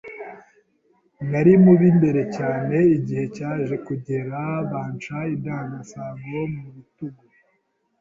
nari mu b’imbere cyane, igihe cyaje kugera rero banca indasago mu bitugu